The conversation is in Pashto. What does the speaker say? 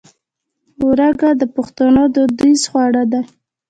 ورږۀ د پښتنو دوديز خواړۀ دي